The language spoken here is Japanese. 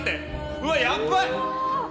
うわっ、やっばい！